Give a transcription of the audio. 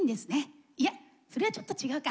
いやそれはちょっと違うか！